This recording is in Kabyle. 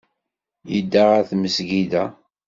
Yedda ɣer tmesgida.